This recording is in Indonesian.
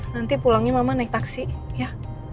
nanti pulangnya mama naik taksi ya